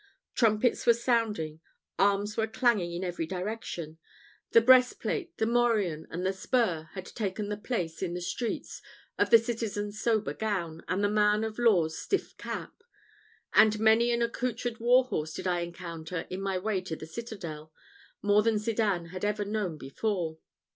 Trumpets were sounding, arms were clanging in every direction: the breastplate, the morion, and the spur, had taken the place, in the streets, of the citizen's sober gown, and the man of law's stiff cap; and many an accoutred war horse did I encounter in my way to the citadel, more than Sedan had ever known before.